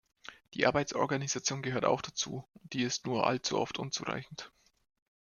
Die Arbeitsorganisation gehört auch dazu, und die ist nur allzu oft unzureichend.